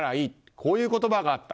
こういう言葉があった。